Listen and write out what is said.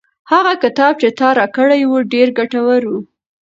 هغه کتاب چې تا راکړی و ډېر ګټور و.